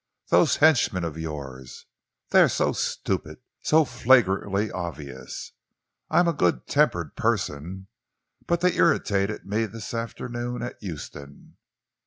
"Those henchmen of yours they are so stupid, so flagrantly obvious. I am a good tempered person, but they irritated me this afternoon at Euston."